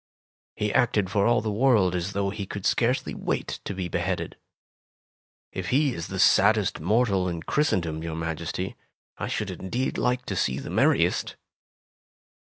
He acted for all the world as though he could scarcely wait to be beheaded. If he is the saddest mortal in Christendom, your Maj esty, I should indeed like to see the merriest!"